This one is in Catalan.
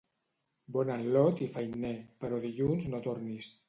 Bon al·lot i feiner, però dilluns no tornis.